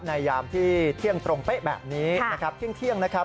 ยามที่เที่ยงตรงเป๊ะแบบนี้นะครับเที่ยงนะครับ